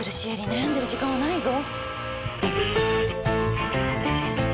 悩んでる時間はないぞ。